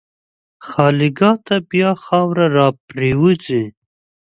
خالیګاه ته بیا خاوره راپرېوځي.